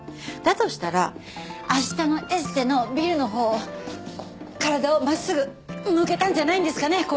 だとしたら明日のエステのビルのほう体をまっすぐ向けたんじゃないんですかね？